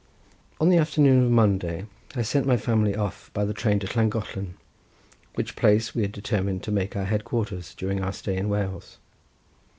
On the afternoon of Monday I sent my family off by the train to Llangollen, which place we had determined to make our headquarters during our stay in Wales.